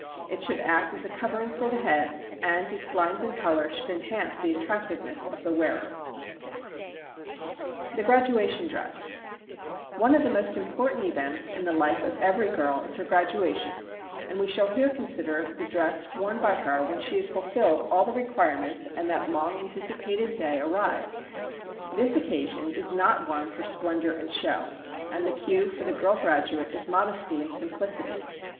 It should act as a covering for the head, and its lines and color should enhance the attractiveness of the wearer. [Illustration: SIMPLE DESIGNS FOR TAFFETA STREET DRESSES] The Graduation Dress One of the most important events in the life of every girl is her graduation, and we shall here consider the dress worn by her when she has fulfilled all the requirements and that long anticipated day arrives. This occasion is not one for splendor and show, and the cue for the girl graduate is modesty and simplicity.